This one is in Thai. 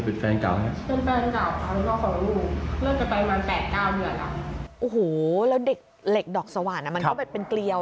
โอ้โหแล้วเด็กเหล็กดอกสว่านอ่ะมันก็แบบเป็นเกลียว